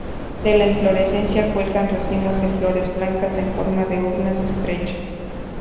De la inflorescencia cuelgan racimos de flores blancas en forma de urnas estrechas.